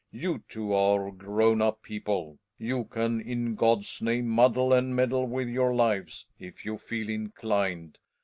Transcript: You two are grown up people; you can, in God's name muddle and meddle with your lives, if you feel inclined.